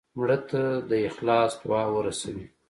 مړه ته د اخلاص دعا ورسوې